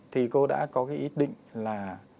thì cô đã có cái ý định là